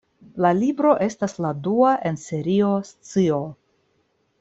La libro estas la dua en Serio Scio.